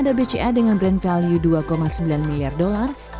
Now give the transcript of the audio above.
di peringkat ke tujuh ada bpca dengan brand value dua sembilan miliar dolar